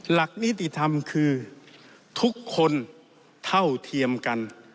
หลักนิติธรรมคือทุกคนเท่าเทียมกัน